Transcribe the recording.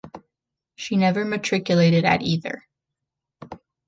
She never matriculated at either.